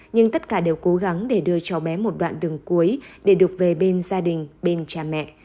nhưng tất cả đều cố gắng để đưa cháu bé một đoạn đường cuối để được về bên gia đình bên cha mẹ